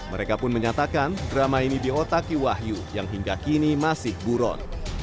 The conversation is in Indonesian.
mereka pun menyatakan drama ini dihotaki wahyu yang hingga kini masih buron